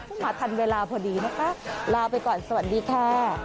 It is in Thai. มาทันเวลาพอดีนะคะลาไปก่อนสวัสดีค่ะ